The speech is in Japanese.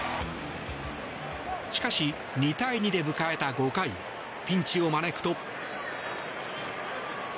しかし２対２で迎えた５回ピンチを招くと。